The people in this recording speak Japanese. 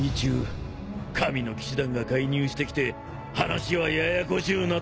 神の騎士団が介入してきて話はややこしゅうなっとる。